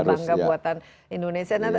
bangga buatan indonesia